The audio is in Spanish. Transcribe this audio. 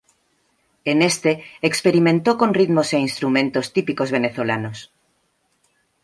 En este experimentó con ritmos e instrumentos típicos venezolanos.